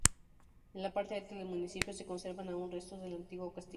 En la parte alta del municipio se conservan aún restos del antiguo castillo.